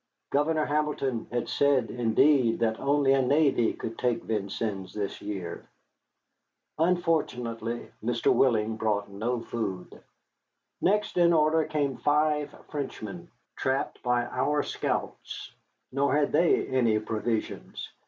Governor Hamilton had said, indeed, that only a navy could take Vincennes this year. Unfortunately, Mr. Willing brought no food. Next in order came five Frenchmen, trapped by our scouts, nor had they any provisions.